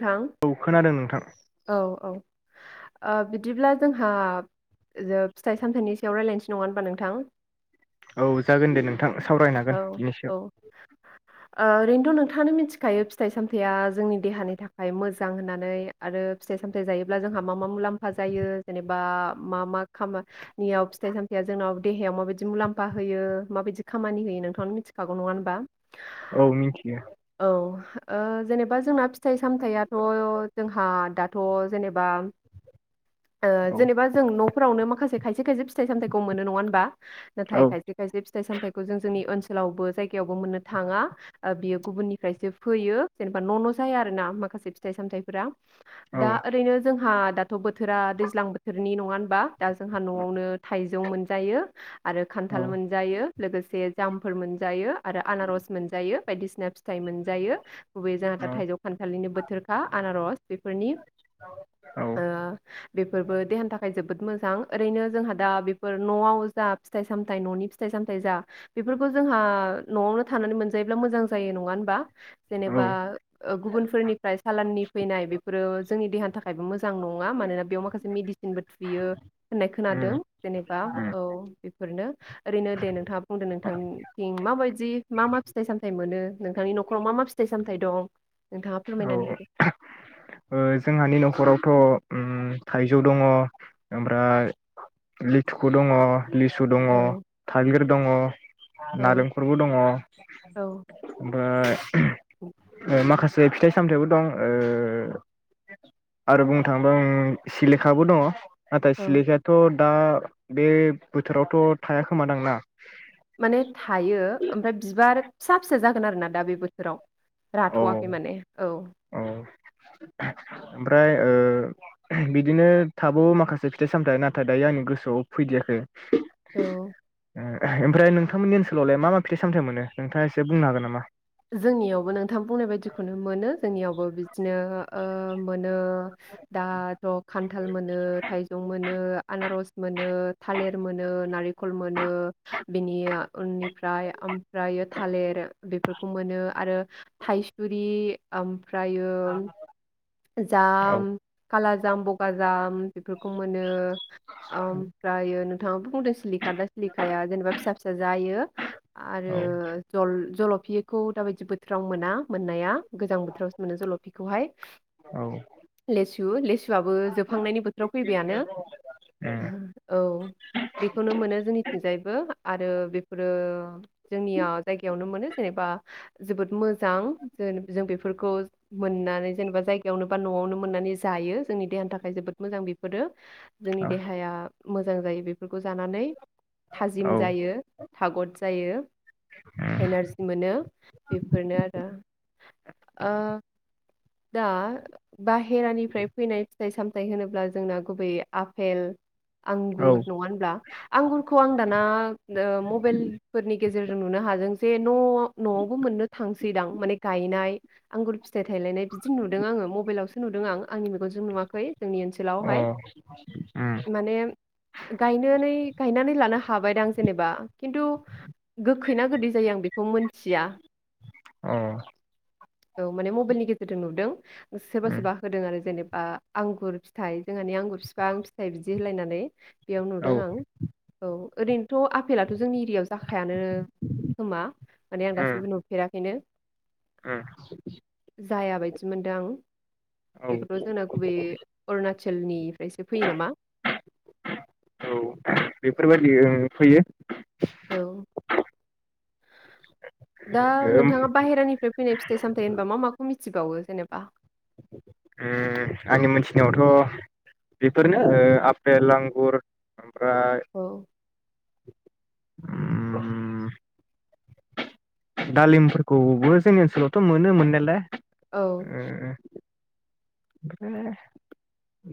नोंथां औ खोनादों नोंथां औ औ ओ बिदिब्ला जोंहा फिथाइ सामथाइनि सायाव रायज्लायनोसै नङा होनबा नोंथां औ जागोन दे नोंथां सावरायनो हागोन बेनि औ ओ सायाव ओरैनोथ नोंथाङानो मिथिखायो फिथाइ सामथाइया जोंनि देहानि थाखाय मोजां होननानै आरो फिथाइ सामथाइ जायोब्ला जोंहा मा मा मुलाम्फा जायो जेनेबा मा मा खामानियाव फिथाइ सामथायाइआ जोंनाव देहायाव माबायदि मुलाम्फा होयो माबायदि खामानि होयो नोंथाङानो मिथिखागौ नङा होनबा औ मिथियो औ ओ जेनेबा जोंना फिथाइ सामथाइआथ जोंहा दा थ जेनेबा ओ औ जेनेबा जों नफोरावनो मा खासे खायसे खायसे फिथाइ सामथाइखौ मोनो नङा होनबा? औ नाथाय खायसे खायसे फिथाइ सामथाइखौ जों जोंनि ओनसोल आवबो जायगायावबो मोननो थाङा बियो गुबुननिफ्रायसो फैयो जेनेबा न न जाया आरो ना माखासे फिथाइ सामथाइफोरा औ दा ओरैनो जोंहा दाथ बोथोरा दैज्लां बोथोरनि नङा होनबा? दा जोंहा नआवनो थाइ जौ मोनजायो आरो खान्थाल मोनजायो लोगोसे जामफोर मोनजायो आरो आनारस मोनजायो बायदिसिना फिथाइ मोनजायो औ [unintelligible] थाइजौ खान्थालनिनो बोथोरखा आनारस बेफोरनि औ बेफोरबो देहानि थाखाय जोबोद मो जां ओरैनो जोंहा दा बेफोर नआव जा फिथाइ सामथाइ ननि फिथाइ सामथाइ जा बेफोरखौ जोंहा नआवनो थानानै मोनजायोब्ला मोजां जायो नङा होनबा? औ जेनेबा उम गुबुनफोरनिफ्राय सालाननि फैनाय बेफोरो जोंनि देहानि थाखायबो मोजां नङा मानोना बेयाव माखासे मेडिसिनबो थुयो होननाय खोनादों जेनेबा उम औ बेफोरनो ओरैनो दे नोंथाङा बुंदों नोंथांथिं माबायदि मा मा फिथाइ सामथाइ मोनो नोंथांनि नखराव मा मा फिथाइ सामथाइ दं? नोंथाङा औ फोरमायनानै होदो जोंहानि नखरावथ उम थाइजौ दङ ओमफ्राय लिथुखु दङ लिसु दङ औ थाइगिर दङ औ नालेंखलबो दङ औ माखास जै फिथाइ सामथायाइबो दं ओ आरो बुंनो थाङोबा उम सिलेखाबो दङ नाथाय औ सिलेखायाथ दा बे बोथोरावथ थाया खोमा दां ना? माने थायो ओमफ्राय बिबार फिसा फिसा जागोन आरो ना दा बे बोथोराव औ राथवाखै माने औ औ ओमफ्राय ओ बिदिनो थाबावो माखासे फिथाइ सामथायाइ नाथाय दायो आंनि गोसोआव फैदियाखै औ ओमफ्राय नोंथांमोननि ओनसोलावलाय मा मा फिथ सामथथाय मोनो नोंथाङा एसे बुंनो हागोन नामा? जोंनियावबो नों थाम बुंनाय बायदिखौनो मोनो जोंनियावबो बिदिनो ओ मोन ओ दाथ खान्थाल मोनो थाइजौ मोनो आनारस मोनो थालिर मोनो नालेंखल मोनो। बिनिया उननिफ्राय ओमफ्रायो थालेर बेफोर खौ मोनो आरो थायसुरि ओम फ्रायो औ जाम, खाला जाम, बगाजाम बेफोरखौ मोनो ओमफ्रायो नोंथाङा बुंदो [unintelligible] खादा सिलिखाया जेनबा फिसा फिसा जायो। [unintelligible] आरो औ जल जल' फिखौ दाबायदि बोथोराव मोना मोननाया गोजां बोथोरावसो मोनो जल'फिखौहाय। औ उम औ लेसु लेसुआबो जोबहांनायनि बोथोराव फैबायानो औ बेखौनो मोनो जोंनिथिंजायबो आरो बेफोरो जोंनिया जायगायावनो मोनो जेनेबा जोबोद मोजां जो-जों बेफोरखौ मोननानै जेनेबा जाय यावनो बा न'आवनो मोननानै जायो, जोंनि देहानि थाखाय जोबोद मोजां बेफोरो। जोंनि देहाया मोजां जायो बेफोरखौ जानानै। थाजिम औ जायो थागद जायो। एनारजि मोनो बेफोरनो आरो ओ दा बाहेरानिफ्राय फैनाय फिथाइ साम थाय होनोब्ला जोंना गुबैयै आफेल आंगुर नङा होनब्ला आंगुरखौ आं दाना ओ मबाइल फोरनि गेजेरजों नुनो हाजों जे न' न'आवबो मोननो थांसैदां माने गायनाय आंगुर फिथाइ थायलायनाय बिदि नुदों आङो मबेइलावसो नुदों आं आंनि मेगनजों नुवाखै। जोंनि उम औ ओनसोलावहाय अ माने गायनोनै गायनानै लानो हा थाबायदां जेनेबा खिन्थु गोखै ना गोदै जायो आं बेखौ मोनथिया। अ' औ माने मबाइलनि गे [unintelligible] नुदों। सोबा सोबा होदों आरो जेने ओ आंगुर फिथाइ जोंहानि आंगुर फिफां, फिथाइ बिदि होलायनानै। बेयाव नुदों उम अ उम औ आं औ। ओरैनोथ' आफेलाथ' जोंनि एरियाव जाखायानो खोमा माने आं दासिमबो नुफेराखैनो। ओम। जायाबायदि मोनदो आं। औ बेखौथ जोंना गुबैयै अरुणाचलनिफ्रायसो फैयो नामा। फैयो ओं फैयो। औ दा ओम नोंथाङा बाहेरानिफ्राय फैनाय फिथाइ सामथाय होनबा मा माखौ मिथि थिबावो जेनेबा। उम आंनि मोनथिनायावथ बेफोरनो ओ आपेल आंगुर प्राय। औ [unintelligible] दालिमफोरखौबो जोंनि ओनसोलावथ मोनो मोननायालाय। औ। ओ ओमफ्राय [unintelligible]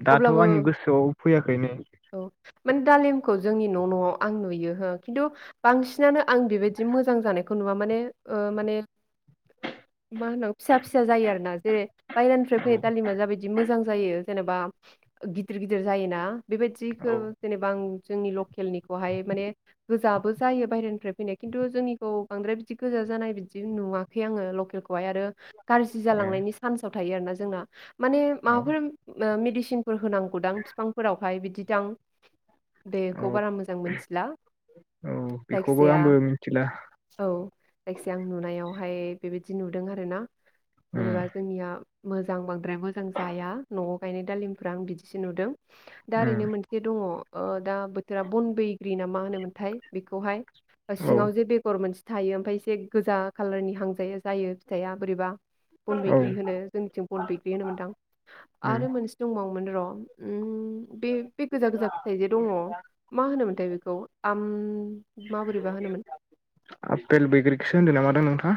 दाथ अब्लाबो आंनि गोसोआव। फैयाखैनो। औ माने दालिमखौ जोंनि न' न'आव आं नुयो हो खिन्थु बांसिनानो आं बिबायदि मोजां जानायखौ नुवा माने ओ माने मा होनां फिसा फिसा जायो आरोना जेरै बायेरानिफ्राय फैनाय दालिमा जाबायदि मोजां जायो जेनेबा गिदिर गिदिर जायोना बेबायदिखौ औ जेनेबा आं। जोंनि लकेलनिखौहाय माने गोजाबो जायो बाहेरानिफ्राय फैनाय किन्थु जोंनिखौ बांद्राय बिदि गोजा जानाय बिदि नुवाखै आङो लकेलखौहाय आरो गाज्रि ए जालांनायनि सान्सआव थायो आरोना जोंना। मानि औ माबाफोर ओ मिदि सिनफोर होनांगौ दां फिफां फोराव। ओमफ्राय बिदि दं। बेखौ औ बारा मोजां मोनथिला औ बेखौबो जायखिाया आंबो मिथिला औ जायखिजयाया आं नुनायाव ओमफ्राय बेबायदि नुदों आरो ना। उम जेनेबा जोंनिया। मोजां बांद्राय मोजां जाया न'आव गायनाय दालिमफोरा आं बिदिसो नुदों दा उम ओरैनो मोनसे दङ अ दा बोथोरा बन बैग्रि ना मा होनोमोनथाय बेखौहाय ओ औ सिङाव जे बेगर मोनसे थायो ओमफ्राय एसे गोजा खाालारनि हांजायो जायो फिथाइआ बोरैबा बन औ बैग्रि होनो जोंनिथिं बन बैग्रि होनोमोनदां उम आरो मोनसे दंबावोमोन र ओम। बे बे गोजा गोजा फिथाइ जे दङ मा होनोमोनथाय बेखौ आम माबोरैबा होनोमोन। आपेल बैग्रिखौसो होनदों ना मादों नोंथाङा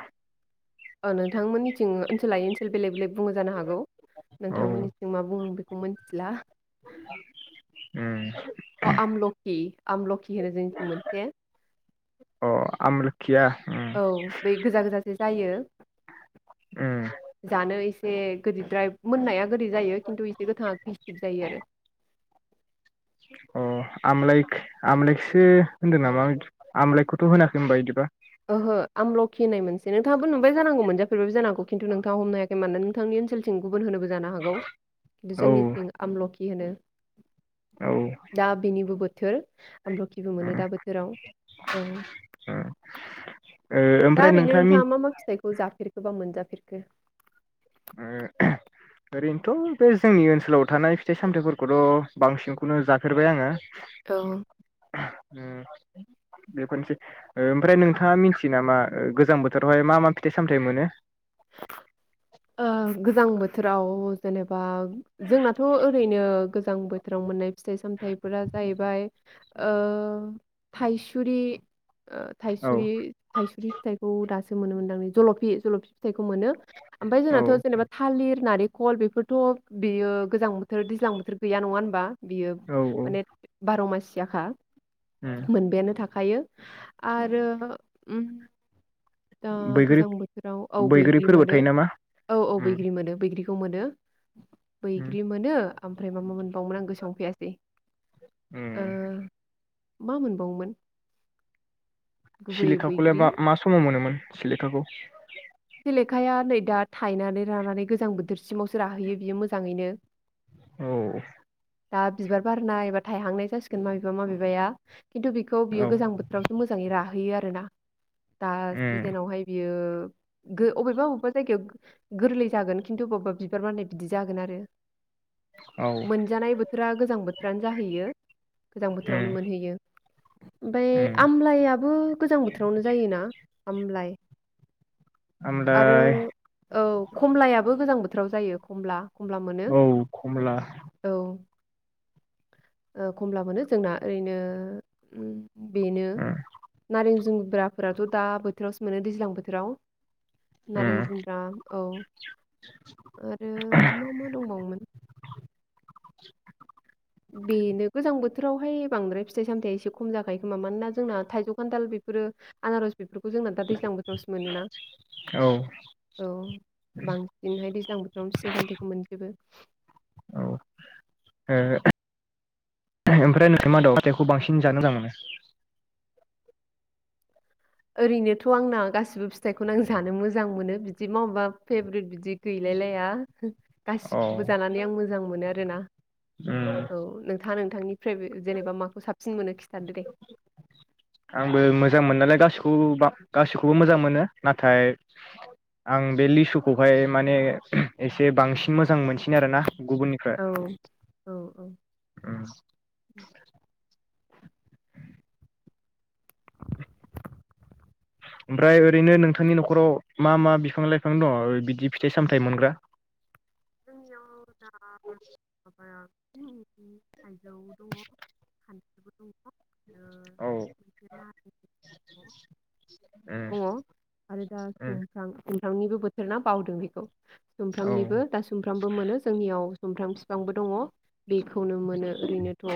नोंथांमोननिथिं ओनसोल लायै ओनसोल बेलेग बेलेग बुंङो जानो हागौ। औ नोंथांमोननिथिं मा बुंङो आं बेखौ [unintelligible] मोनथिला [unintelligible] अ आमलखि खि आमलखि होनो जोंनिथिं मोनसे। अ आमल औ बे गोजा गोजा जायो उम जानो एसे बे गोदैद्राय मोननाया गोदै जायो खिन्थु एसे गोथाङा खैसिब जायो आरो। अ आमलायख आमलायखिसो होनदों नामा आमलायखौथ होनाखै होनबा इदिबा? खि होननाय मोनसे नोंथांङाबो नुबाय जानांगौ मोनजाफेरबायबो जांनोहागौ खिन्थु नोंथांङा हमनो हायाखै मानोना नोंथांनि ओनसोलथिं गुबुन होनोबो जानो हागौ किन्तु औ जोंनिथिं आमलखि बिदि होनो औ ओ दा बेनिबो बो थोर आमलखिबो मोनो दा बोथोराव औ। दा ओमफ्राय ओरैनो नोंथाङा मि नोंथांङा मा मा फिथाइखौ जाफेरखोबा मोनजाफेर खो ओ ओरैनोथ बे जोंनि ओनसोलाव थानाय फिथाइ सामथाइफोरखौथ बांसिनखौनो जाफेरबाय आंङो। औ ओ बेफोरनोसै ओ ओमफ्राय नोंथाङा मिथियो नामा ओ गोजां बोथोरावहाय मा मा फिथाइ सामथाइ मोनो? ओ गोजां बोथोराव जेनेबा जोंनाथ ओरैनो गोजां बोथोराव मोननाय फिथाइ सामथाइफोरा जाहैबाय ओ थाइसुरि ओ औ थाइसुरि थाइसुरि फिथाइखौ दासो मोनो मोनदांलै जलफि जलफि फिथाइखौ मोनो ओमफाय औ जोंनाथ जेनेबा थालिर, नारख कल बेफोरथ बेयो गोजां बोथोर दैज्लां बोथोर बोथोर गैया नङा होनबा बियो औ औ माने बार' मास जाखा उम मोनबायानो थाख थायो आरो उम दा बैग्रि गोजां बोथोराव औ बैग्रि बैग्रिफोरबो मोनो थायो नामा औ औ उम बैग्रि मोनो बैग्रि खौ मोनो। उम बैग्रि मोनो ओमफ्राय मा मा मोनबावोमोन आं गोसोआव फैयासै। उम। ओ मा मोनबावोमोन? गुबै सिलिखाखौलाय बैग्रि बा मा समाव मोनोमोन? सिलिखाखौ? सेलेखाया नै दा थायनानै रानानै गोजां बोथोरसिमावसो राहैयो बियो मोजाङैनो। औ। दा बिबार बारनाय बा थायहांनाय जासिगोन माबेबा माबेबाया। खिन्थु बेखौ बियो औ गोजां बोथोरावसो मोजाङै रा बेयो आरोना। दा उम सिजोनावहाय बियो गो अबेबा अबेबा जायगायाव गोरलै जागोन खिन्थु बबेबा बिबार बारनाय बिदि जागोन आरो। औ मोनजानाय बोथोरा गोजां बोथोरानो जाहैयो गोजां उम बोथोरावनो मोनहैयो। ओमफाय उम आमलायाबो गोजां बोथोरावनो जायोना? आमलाय। आरो ओमफ्राय औ। खमलायाबो गोजां बोथोराव जायो खमला। खमला मोनो औ खमला। औ ओ खमला मोनो जोंना ओरैनो बेनो उम नारें जु ब्राफोराथ दा बोथोरावसो मोनो दैज्लां बोथोराव। उम नारें जुमब्रा औ आरो मा मा दंबावोमोन? बेनो गोजां बोथोरावहाय बांद्राय फिथाइ सामथाइ एसे खम जाखायो खोमा मानोना जोंना थाइजौ खान्थाल बेफोरो आनारस। बेफोरखौ जोंना दा दैज्लां बोथोरावसो मोनोना औ औ बांसिनहाय दैज्लां बोथोराव फिथाइ सामथाइखौ मोनजोबो। औ [unintelligible] ओमफ्राय [unintelligible] मा फिथाइखौ बांसिन जानो मोजांं मोनो? ओरैनोथ आंना गासैबो फिथाइखौनो आं जानो मोजां मोनो बिदि माबा फेभरेट बिदि गैलायलाया। औ गासैखौबो जानानै आं मोजां मोनो आरोना उम औ नोंथाङा नोंथांनि फेभे जेनेबा माखौ साब आंबो मोजां मोननायालाय गासिखौबो खौ गासैखौबो मोजां मोनो नाथाइ आं बे लिसुखौहाय माने एसे बांसिन मोजां मोनसिनो आरो ना। गुबुननिफ्राय औ औ औ उम। [unintelligible] ओमफ्राय ओरैनो नोंथांनि नखराव मा मा बिफां लाइफां दंङ बिदि फिथाइ सामथाइ मोनग्रा जोंनियाव [unintelligible] [unintelligible] थाइजौ दंङ खान [unintelligible] [unintelligible] औ उम दंङ आरो दा उम सुमफ्रां थांनिबो बोथोर ना बावदों बेखौ औ सुफ्रामनिबो दा बो मोनो जोंनियाव औ सुमफ्राम बिफांबो दंङ बेखौनो मोनो ओरैनोथ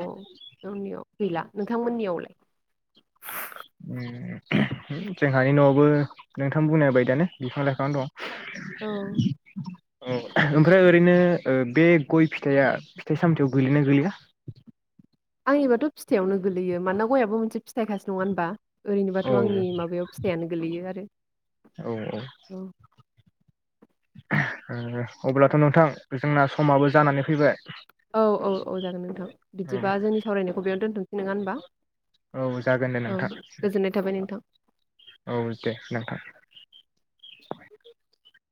गावनियाव गैला नोंथांमोननियावलाय? उम जोंहानि न'आवबो नोंथां बुंनाय बायदियानो बिफां लाइफां दं। औ औ ओमफ्राय ओयनो बे गय फिथाइया फिथाइ सामथाइयाव गोलैयोना गोलैया? आंनिबाथ फिथायावनो गोलैयो मानोना गयाबो मोनसे फि थायखासो नङा होनबा? ओरैनोबाथ औ आंनि माबायाव फिथायावनो गोग्लैयो आरो। औ औ ओ अब्लाथ नोंथां जोंना समाबो जानानै फैबाय। औ औ औ जागोन नोंथां, औ बिदिबा जोंनि सावरायनायखौ बेयावनो दोनथसै नोंङा होनबा? औ जागोन दे औ नोंथां गोजोननाय थाबाय नोंथां। औ दे नोंथां [inaudible]